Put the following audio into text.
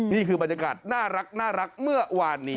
นี่คือบรรยากาศน่ารักเมื่อวานนี้